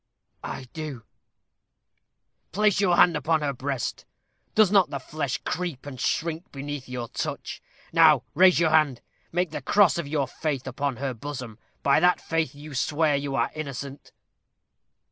"I do." "Place your hand upon her breast. Does not the flesh creep and shrink beneath your touch? Now raise your hand make the cross of your faith upon her bosom. By that faith you swear you are innocent."